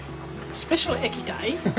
スペシャル液体？